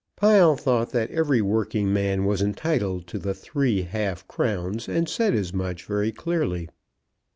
Pile thought that every working man was entitled to the three half crowns, and said as much very clearly.